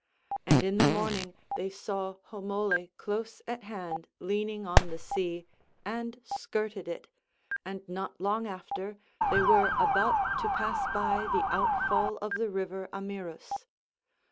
And in the morning they saw Homole close at hand leaning on the sea, and skirted it, and not long after they were about to pass by the outfall of the river Amyrus.